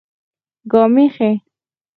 ګامېښې